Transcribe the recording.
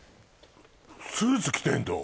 スーツ着てんの？